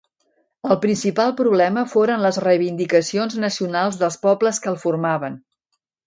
El principal problema foren les reivindicacions nacionals dels pobles que el formaven.